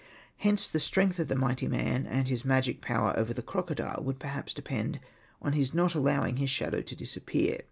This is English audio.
Hence the strength of the mighty man, and his magic power over the crocodile, would perhaps depend on his not allowing his shadow to disappear.